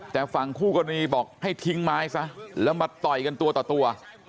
แต่ฝั่งคู่กรณีบอกให้ทิ้งไม้ซะแล้วมาต่อยกันตัวต่อตัว